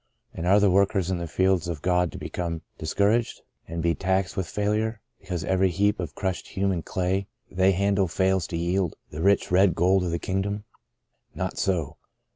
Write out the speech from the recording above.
And are the workers in the fields of God to become dis couraged, and be taxed with failure, because every heap of crushed human clay they handle fails to yield the rich, red gold of the kingdom? Not so.